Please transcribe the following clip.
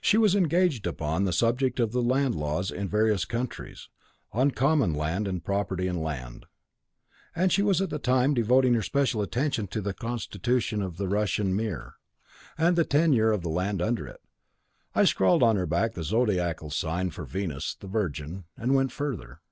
She was engaged upon the subject of the land laws in various countries, on common land, and property in land; and she was at that time devoting her special attention to the constitution of the Russian mir, and the tenure of land under it. I scrawled on her back the zodiacal sign for Venus, the Virgin, and went further.